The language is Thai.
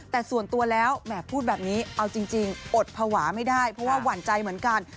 แต่ส่วนตัวแล้วแหมพูดแบบนี้เอาจริงอดภาวะไม่ได้เพราะว่าหวั่นใจเหมือนกัน